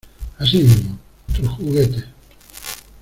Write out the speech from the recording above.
Así mismo. Tus juguetes .